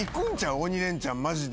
鬼レンチャンマジで。